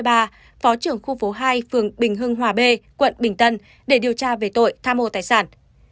phó trưởng khu phố hai phường bình hưng hòa b quận bình tân để điều tra về tội tham ô tài sản